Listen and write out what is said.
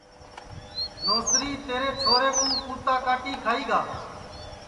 نوسری تیرے چھورے کُو کُوتا کاٹی کھائی گا